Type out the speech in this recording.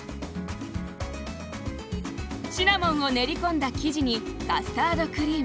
シナモンを練り込んだ生地にカスタードクリーム。